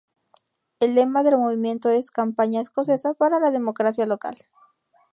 El lema del movimiento es ""Campaña escocesa para la democracia local"".